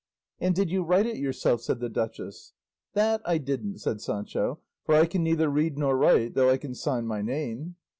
"And did you write it yourself?" said the duchess. "That I didn't," said Sancho; "for I can neither read nor write, though I can sign my name."